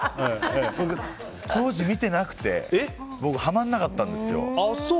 当時、見てなくて僕、はまらなかったんですよ。